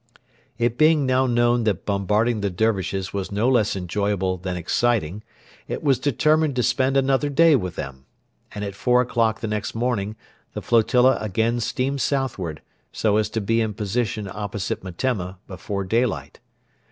It being now known that bombarding the Dervishes was no less enjoyable than exciting, it was determined to spend another day with them; and at four o'clock the next morning the flotilla again steamed southward, so as to be in position opposite Metemma before daylight.